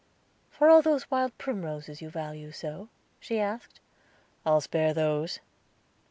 "For all those wild primroses you value so?" she asked. "I'll spare those."